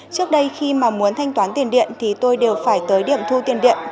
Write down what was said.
trước đây khi mà muốn thanh toán tiền điện thì tôi đều phải tới điểm thu tiền điện